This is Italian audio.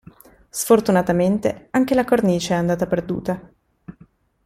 Sfortunatamente anche la cornice è andata perduta.